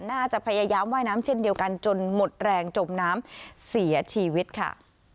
น่าจะพยายามว่ายน้ำเช่นเดียวกันจนหมดแรงจมน้ำเสียชีวิตค่ะ